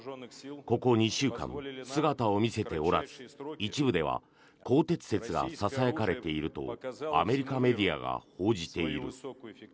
ここ２週間、姿を見せておらず一部では更迭説がささやかれているとアメリカメディアが報じている。